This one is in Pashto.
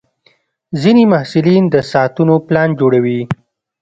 ځینې محصلین د ساعتونو پلان جوړوي.